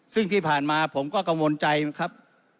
ซึ่งที่ผ่านมาผมก็กังวลใจครับ